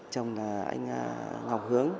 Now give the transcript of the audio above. chồng là anh ngọc hướng